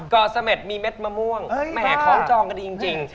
เกาะสะเม็ดมีเม็ดมะม่วงแหมของจองกันจริง